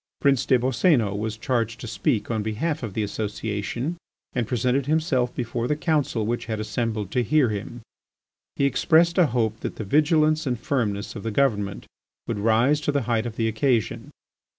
Prince des Boscénos was charged to speak on behalf of the Association and presented himself before the Council which had assembled to hear him. He expressed a hope that the vigilance and firmness of the Government would rise to the height of the occasion.